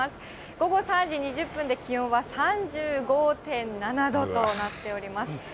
午後３時２０分で気温は３５．７度となっております。